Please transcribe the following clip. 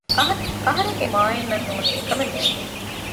އަހަރެންގެ އެކުވެރިޔާ މާއިން އަށް ނޫނީ އެކަމެއް ނޭނގޭނެ